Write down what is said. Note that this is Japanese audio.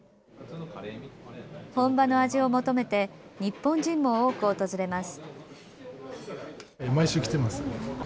本場の味を求めて日本人も多く訪れます。